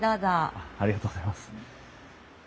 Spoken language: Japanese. ありがとうございます。